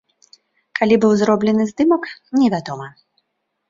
Калі быў зроблены здымак, невядома.